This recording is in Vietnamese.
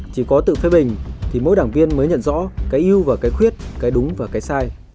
chỉ có tự phê bình thì mỗi đảng viên mới nhận rõ cái yêu và cái khuyết cái đúng và cái sai